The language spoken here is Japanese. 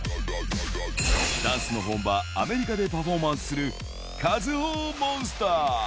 ダンスの本場、アメリカでパフォーマンスする、カズホモンスター。